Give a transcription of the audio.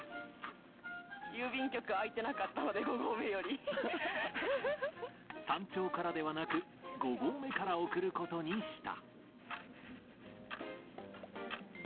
郵便局開いてなかったので、山頂からではなく、５合目から送ることにした。